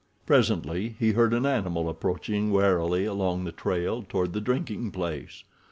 Presently he heard an animal approaching warily along the trail toward the drinking place.